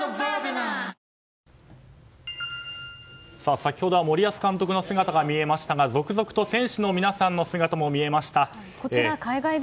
先ほどは森保監督の姿見えましたが続々と選手の皆さんの姿も見えました。